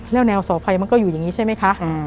แล้วแนวเสาไฟมันก็อยู่อย่างนี้ใช่ไหมคะ